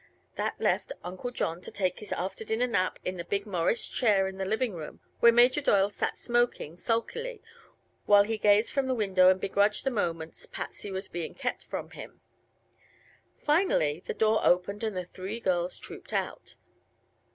That left Uncle John to take his after dinner nap in the big Morris chair in the living room, where Major Doyle sat smoking sulkily while he gazed from the window and begrudged the moments Patsy was being kept from him. Finally the door opened and the three girls trooped out.